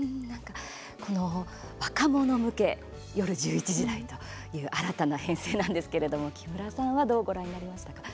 この若者向け夜１１時台という新たな編成なんですけれども木村さんはどうご覧になりましたか？